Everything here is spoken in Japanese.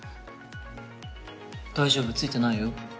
大丈夫付いてないよ。